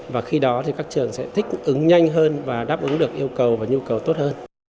và khi đó thì các trường sẽ thích ứng nhanh hơn và đáp ứng được yêu cầu và nhu cầu tốt hơn